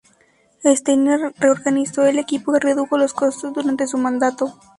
Steiner reorganizó el equipo y redujo los costos durante su mandato.